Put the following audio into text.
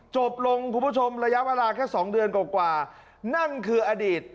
จบลงคุณผู้ชมระยะเวลาแค่สองเดือนกว่านั่นคืออดีต